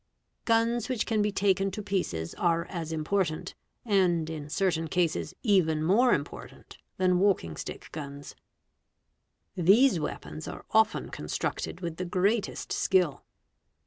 | Guns which can be taken to pieces are as important, and in certain cases even more important, than walking stick guns, These weapons are EXPLOSIVE ACTION 419 often constructed with the greatest skill.